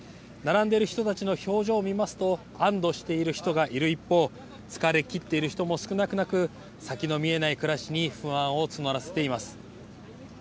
並んでいる人たちの表情を見ると安どしている人がいる一方疲れてきっている人も少なくなく先の見えない暮らしに不安を募らせています。